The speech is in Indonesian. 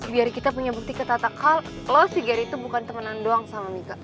biar kita punya bukti ke tata kalau lo si gary tuh bukan temenan doang sama mika